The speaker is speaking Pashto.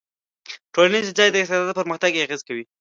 ټولنیز ځای د استعداد په پرمختګ اغېز کوي.